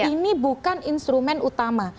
ini bukan instrumen utama